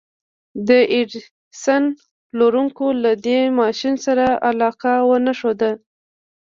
د ايډېسن پلورونکو له دې ماشين سره علاقه ونه ښوده.